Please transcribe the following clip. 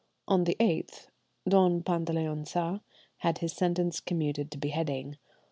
On the 8th, Don Pantaleon Sa had his sentence commuted to beheading.